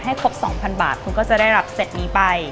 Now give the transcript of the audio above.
ครบ๒๐๐บาทคุณก็จะได้รับเสร็จนี้ไป